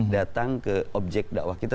datang ke objek dakwah kita